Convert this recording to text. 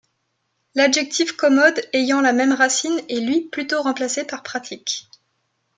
L'adjectif commode ayant la même racine est lui plutôt remplacé par pratique.